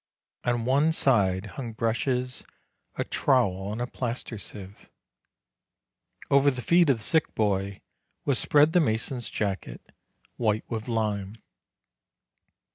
On one side hung brushes, a trowel, and a plaster sieve. Over the feet of the sick boy was spread the mason's jacket, white with lime.